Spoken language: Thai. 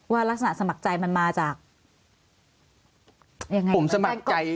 ว่ารักษณะสมัครใจมันมาจากยังไง